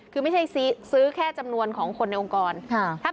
คือไม่ใช่ซื้อแค่จำนวนของคนในองค์กร